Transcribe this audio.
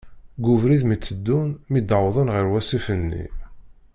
Deg ubrid mi teddun, mi d uwḍen ɣer wasif-nni.